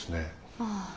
ああ。